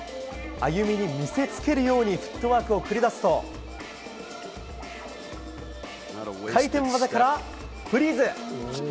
あゆみに見せつけるようにフットワークを繰り出すと回転技からフリーズ。